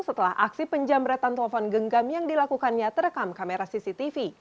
setelah aksi penjamretan telepon genggam yang dilakukannya terekam kamera cctv